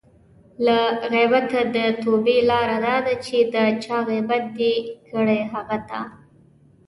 له غیبته د توبې لاره دا ده چې د چا غیبت دې کړی؛ هغه ته